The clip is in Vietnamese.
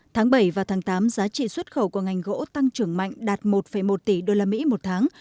tháng bảy và tháng tám giá trị xuất khẩu của ngành gỗ tăng trưởng mạnh đạt một một tỷ usd một tháng